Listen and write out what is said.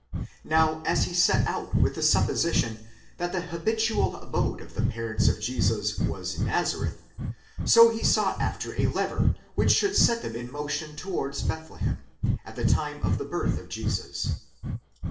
Now as he set out with the supposition that the habitual abode of the parents of Jesus was Nazareth, so he sought after a lever which should set them in motion towards Bethlehem, at the time of the birth of Jesus.